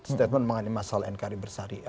statement mengenai masalah nkri bersyariah